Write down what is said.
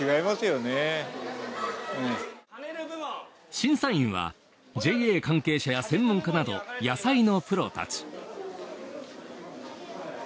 審査員はＪＡ関係者や専門家など野菜のプロたち。